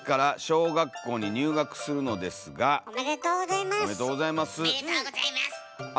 おめでとうございます！